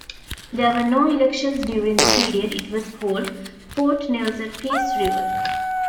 There were no elections during the period it was called "Fort Nelson-Peace River".